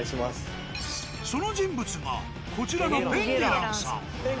その人物がこちらのペンゲランさん。